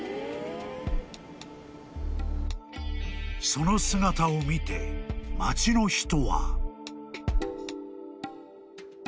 ［その姿を見て町の人は］